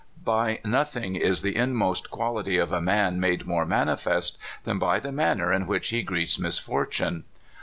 By nothing is the inmost quahty of a man made more manifest than by the manner in which he meets misfortune.